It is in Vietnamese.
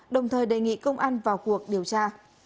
đồng thời đề nghị công an vào cuộc điều tra